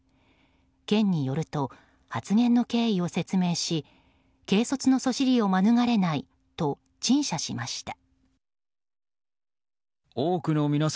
県によると、発言の経緯を説明し軽率のそしりを免れないと陳謝しました。